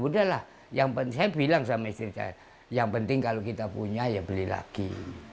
saya bilang sama istri saya yang penting kalau kita punya ya beli lagi